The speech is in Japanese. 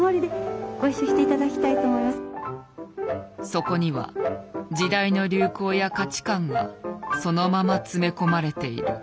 そこには時代の流行や価値観がそのまま詰め込まれている。